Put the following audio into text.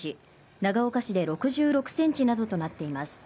長岡市で６６ｃｍなどとなっています